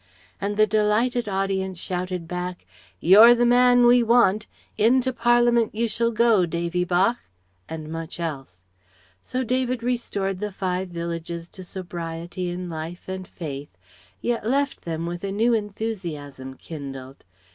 And the delighted audience shouted back "You're the man we want! Into Parliament you shall go, Davy bach" and much else. So David restored the five villages to sobriety in life and faith, yet left them with a new enthusiasm kindled.